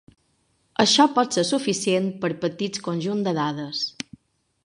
Això pot ser suficient per petits conjunts de dades.